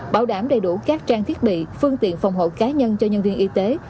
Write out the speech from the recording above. bảo đảm đầy đủ các trang thiết bị phương tiện phòng hộ cá nhân cho nhân viên y tế